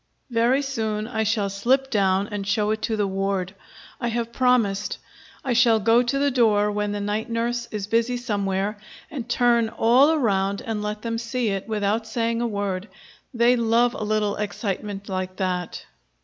Very soon I shall slip down and show it to the ward. I have promised. I shall go to the door when the night nurse is busy somewhere, and turn all around and let them see it, without saying a word. They love a little excitement like that.